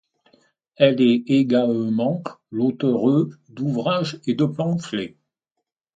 Elle est égaement l'auteure d'ouvrages et de pamphlets.